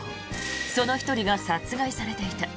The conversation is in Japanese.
その１人が殺害されていた。